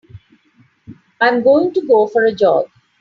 I'm going to go for a jog.